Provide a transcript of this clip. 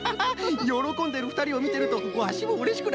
よろこんでるふたりをみてるとワシもうれしくなっちゃうな。